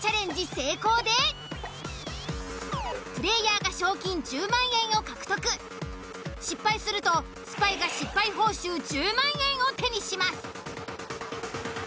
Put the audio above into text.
成功でプレイヤーが賞金１０万円を獲得失敗するとスパイが失敗報酬１０万円を手にします。